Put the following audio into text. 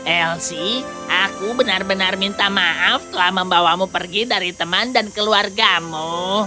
elsi aku benar benar minta maaf telah membawamu pergi dari teman dan keluargamu